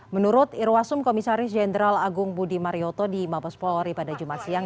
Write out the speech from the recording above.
menurut irwasum komisaris jenderal agung budi marioto di mabes polri pada jumat siang